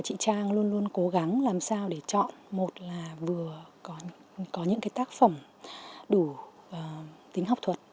có những tác phẩm đủ tính học thuật